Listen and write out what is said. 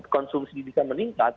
konsumsi bisa meningkat